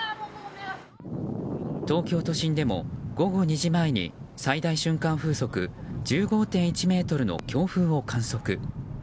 東京都心でも午後２時前に最大瞬間風速１５．１メートルの強風を観測。